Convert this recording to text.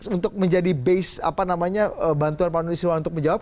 untuk menjadi base apa namanya bantuan pak nusirwan untuk menjawab